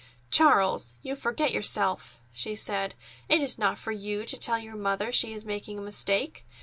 "Charles, you forget yourself!" she said. "It is not for you to tell your mother she is making a mistake.